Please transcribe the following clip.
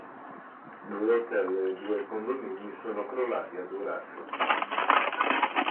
Due hotel e due condomini sono crollati a Durazzo.